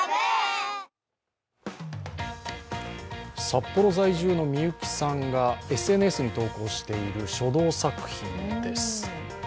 札幌在住のみゆきさんがＳＮＳに投稿している書道作品です。